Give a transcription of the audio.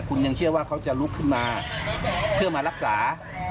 คุณยังเชื่อว่าเขาจะลุกขึ้นมาเพื่อมารักษา